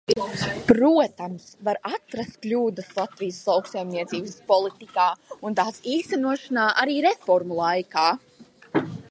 Protams, var atrast kļūdas Latvijas lauksaimniecības politikā un tās īstenošanā arī reformu laikā.